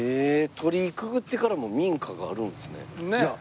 鳥居くぐってからも民家があるんですね。